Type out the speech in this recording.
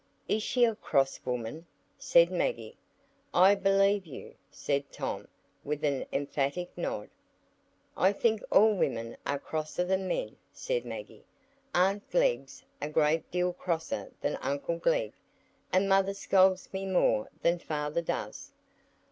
"Is she a cross woman?" said Maggie. "I believe you!" said Tom, with an emphatic nod. "I think all women are crosser than men," said Maggie. "Aunt Glegg's a great deal crosser than uncle Glegg, and mother scolds me more than father does."